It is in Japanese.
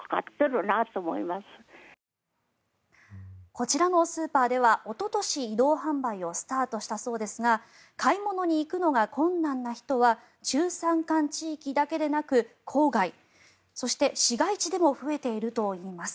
こちらのスーパーではおととし、移動販売をスタートさせたそうですが買い物に行くのが困難な人は中山間地域だけでなく郊外、そして市街地でも増えているといいます。